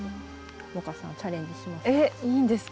萌歌さんチャレンジします？